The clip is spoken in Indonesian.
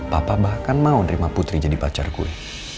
papa bahkan mau nerima putri jadi pacar gue